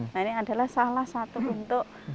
nah ini adalah salah satu bentuk